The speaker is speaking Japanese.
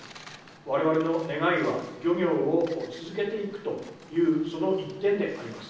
われわれの願いは、漁業を続けていくという、その一点であります。